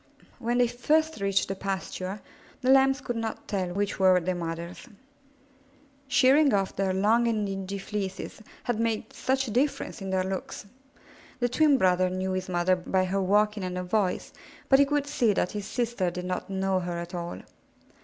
When they first reached the pasture, the Lambs could not tell which were their mothers. Shearing 264 IN THE NURSERY off their long and dingy fleeces had made such a difference in their looks! The twin brother knew his mother by her walking and by her voice, but he could see that his sister did not know her at all.